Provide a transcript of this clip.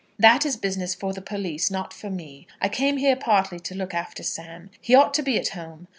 That is business for the police, not for me. I came here partly to look after Sam. He ought to be at home.